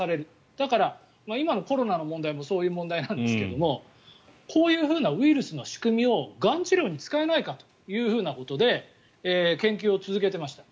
だから、今のコロナの問題もそういう問題なんですけどもこういうふうなウイルスの仕組みをがん治療に使えないかということで研究を続けていました。